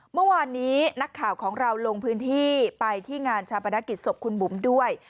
เมื่อวานนี้นักข่าวของเราลงพื้นที่ไปที่งานชาปนกิจศพคุณบุ๋มด้วย